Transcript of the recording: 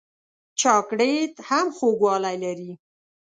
چاکلېټ هم خوږوالی لري.